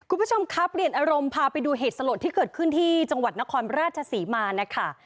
คุณผู้ชมครับเปลี่ยนอารมณ์พาไปดูเหตุสลดที่เกิดขึ้นที่จังหวัดนครราชศรีมานะคะ